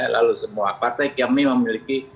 lalu semua partai kami memiliki